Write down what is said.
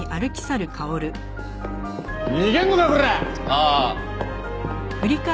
ああ。